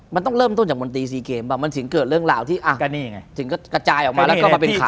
มันต้องเริ่มต้นจากมนตรี๔เกมป่ะมันถึงเกิดเรื่องราวที่อ่ะก็นี่ไงถึงก็กระจายออกมาแล้วก็มาเป็นข่าว